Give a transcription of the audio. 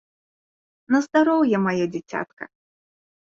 На здароўе, маё дзіцятка!